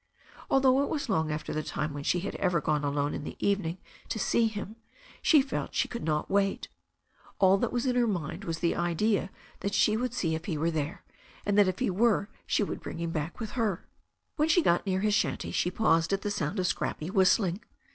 Although it was long after the time when she had ever gone alone in the evening to see him, she felt she could not wait All that was in her mind was the idea that she would see if he were there, and that if he were she would bring him back with her. When she got near his shanty she paused at the sound of scrappy whistling.